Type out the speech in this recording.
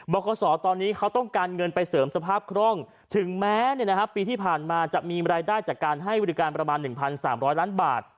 คศตอนนี้เขาต้องการเงินไปเสริมสภาพคล่องถึงแม้ปีที่ผ่านมาจะมีรายได้จากการให้บริการประมาณ๑๓๐๐ล้านบาท